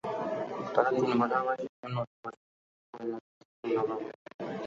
তাঁদের তিন বছর বয়সী প্রেম নতুন বছরের শুরুতে পরিণতির দিকে এগোল।